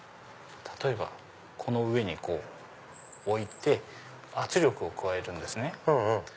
例えばこの上に置いて圧力を加えるんですね。